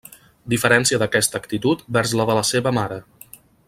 Diferència d’aquesta actitud vers la de la seva mare.